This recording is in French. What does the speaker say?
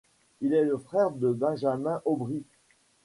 Il est le frère de Benjamin Aubry.